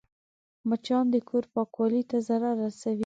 مچان د کور پاکوالي ته ضرر رسوي